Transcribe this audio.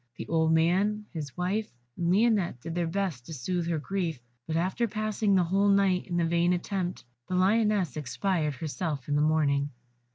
The old man, his wife, and Lionette did their best to soothe her grief; but after passing the whole night in the vain attempt, the Lioness expired herself in the morning.